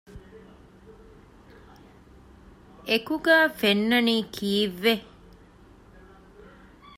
އެކުގައި ފެންނަނީ ކީއްވެ؟